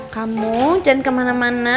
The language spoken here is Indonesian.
kamu jangan kemana mana